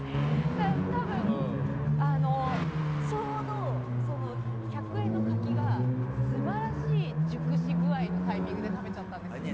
多分、ちょうど１００円の柿が素晴らしい熟し具合のタイミングで食べちゃったんですよね。